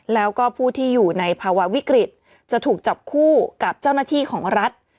แล้วก็ผู้ที่อยู่ในภาวะวิกฤตจะถูกจับคู่กับเจ้าหน้าที่ของรัฐ